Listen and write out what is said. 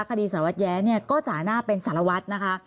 คดีสารวัตรแย้เนี่ยก็จ่าหน้าเป็นสารวัตรนะคะ